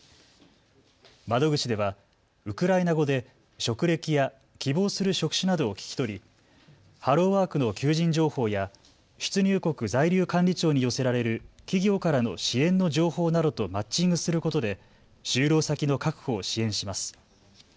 窓口ではウクライナ語で職歴や希望する職種などを聞き取りハローワークの求人情報や出入国在留管理庁に寄せられる企業からの支援の情報などとマッチングすることで就労先の確保を支援します。